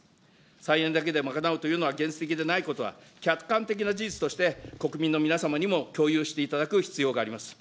再エネだけで賄うというのは現実的でないことは、客観的な事実として、国民の皆様にも共有していただく必要があります。